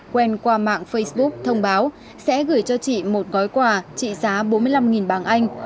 quen qua mạng facebook thông báo sẽ gửi cho chị một gói quà trị giá bốn mươi năm bảng anh